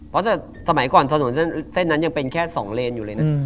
เพราะสมัยก่อนถนนเส้นนั้นยังเป็นแค่๒เลนอยู่เลยนะ